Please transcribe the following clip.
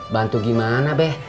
bantu gimana beh